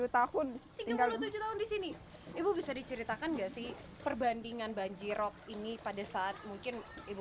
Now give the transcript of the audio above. tiga puluh tujuh tahun di sini ibu bisa diceritakan gak sih perbandingan banjirop ini pada saat mungkin ibu